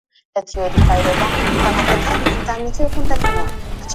لە گۆڕایییەکی ناو دار و بار و سەر جۆگە، بنکەمان دانا